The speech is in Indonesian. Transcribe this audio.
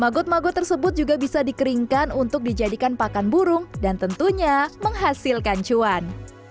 magot magot tersebut juga bisa dikeringkan untuk dijadikan pakan burung dan tentunya menghasilkan cuan